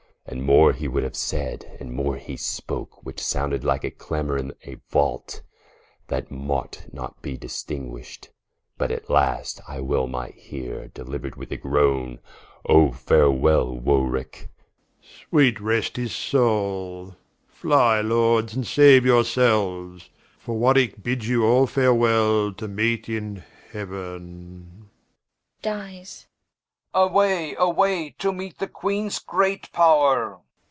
And more he would haue said, and more he spoke, Which sounded like a Cannon in a Vault, That mought not be distinguisht: but at last, I well might heare, deliuered with a groane, Oh farewell Warwicke Warw. Sweet rest his Soule: Flye Lords, and saue your selues, For Warwicke bids you all farewell, to meet in Heauen Oxf. Away, away, to meet the Queenes great power.